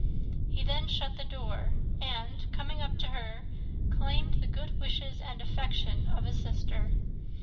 He then shut the door, and, coming up to her, claimed the good wishes and affection of a sister.